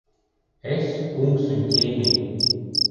Es, kungs un ķēniņ!